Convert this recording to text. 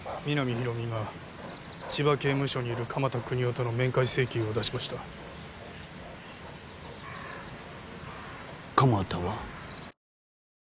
広見が千葉刑務所にいる鎌田國士との面会請求を出しました鎌田は？